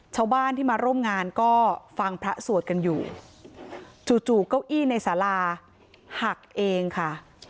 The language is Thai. ชาวบ้านที่มาร่วมงานก็ฟังพระสวดกันอยู่จู่จู่เก้าอี้ในสาราหักเองค่ะ